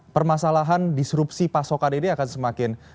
permasalahan disrupsi pasokan ini akan semakin